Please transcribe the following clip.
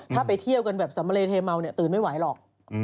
ถ้าไปเที่ยวกันแบบสำเรเทเมาเนี่ยตื่นไม่ไหวหรอก